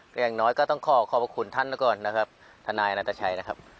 อย่างน้อยก็ต้องขอขอบคุณท่านละก่อนท่านนายอตะชัยนะครับ